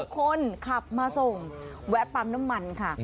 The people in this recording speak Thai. คนขับมาส่งแวะปั๊มน้ำมันค่ะ